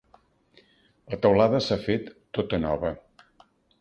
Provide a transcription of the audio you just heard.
La teulada s'ha fet tota nova.